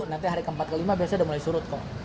nanti hari ke empat ke lima biasanya udah mulai surut kok